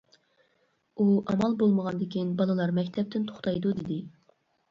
ئۇ «ئامال بولمىغاندىكىن بالىلار مەكتەپتىن توختايدۇ» دېدى.